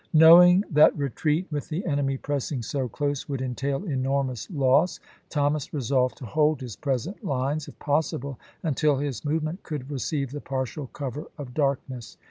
Knowing that retreat with the enemy pressing so close would entail enormous loss, Thomas resolved to hold his present lines, if possible, until his move ment could receive the partial cover of darkness.